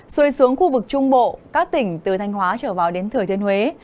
xuôi xuống khu vực trung bộ các tỉnh từ thanh hóa trở vào đến thời thiên huế